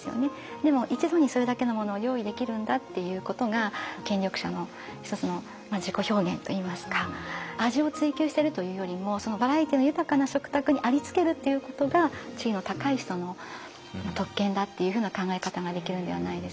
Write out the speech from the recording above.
でも一度にそれだけのものを用意できるんだっていうことが権力者の一つの自己表現といいますか味を追求しているというよりもバラエティーの豊かな食卓にありつけるっていうことが地位の高い人の特権だっていうふうな考え方ができるんではないですかね。